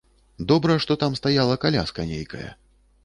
Добра, што там стаяла каляска нейкая.